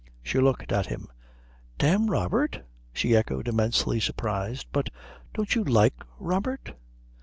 She looked at him. "Damn Robert?" she echoed, immensely surprised. "But don't you like Robert?"